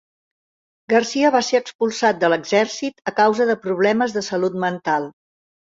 Garcia va ser expulsat de l'exèrcit a causa de "problemes de salut mental".